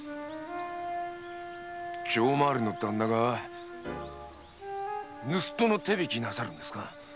定廻りの旦那が盗っ人の手引きをなさるんですか？